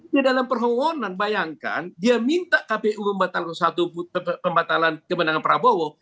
di dalam perhungonan bayangkan dia minta kpu membatalkan kemenangan prabowo